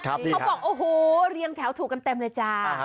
เขาบอกโอ้โหเรียงแถวถูกกันเต็มเลยจ้า